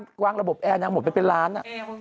เฉพาะวางระบบแอร์นั้นหมดไปเป็นล้าน